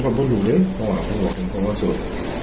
ผมก็รู้ดิหลังว่าผมก็ฉุด